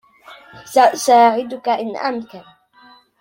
.سأساعدك إن أمكن